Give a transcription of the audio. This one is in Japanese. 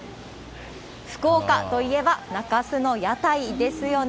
福岡といえば、中洲の屋台ですよね。